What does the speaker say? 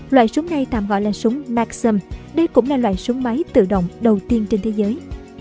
loại súng này tạm gọi là súng maxim đây cũng là loại súng máy tự động đầu tiên trên thế giới